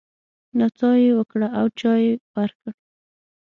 نڅا يې وکړه او چای يې ورکړ.